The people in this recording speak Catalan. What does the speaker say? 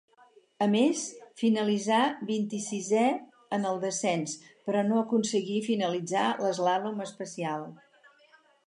A més finalitzà vint-i-sisè en el descens, però no aconseguí finalitzar l'eslàlom especial.